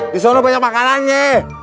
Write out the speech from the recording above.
disana banyak makanannya